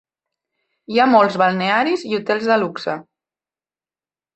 Hi ha molts balnearis i hotels de luxe.